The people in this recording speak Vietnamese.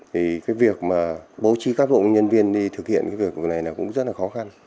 thì cái việc mà bố trí cán bộ nhân viên đi thực hiện cái việc này là cũng rất là khó khăn